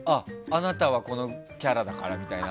あなたはこのキャラだからみたいな？